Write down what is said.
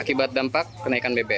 akibat dampak kenaikan bbm